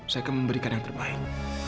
saya akan memberikan yang terbaik